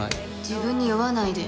自分に酔わないで。